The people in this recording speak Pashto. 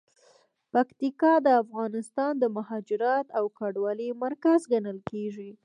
پکتیکا د افغانانو د مهاجرت او کډوالۍ مرکز ګڼل کیږي.